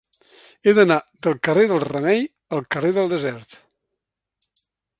He d'anar del carrer del Remei al carrer del Desert.